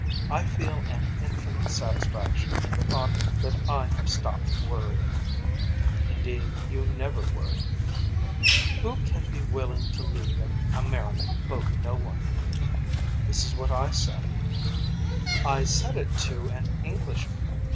I feel an infinite satisfaction in the thought that I have stopped worrying. Indeed you never worry. Who can be willing to leave an American boat. No one. This is what I said. I said it to an Englishman.